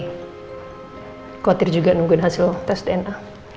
khawatir juga nungguin hasil tes dna